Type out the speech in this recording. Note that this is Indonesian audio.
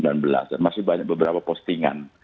masih banyak beberapa postingan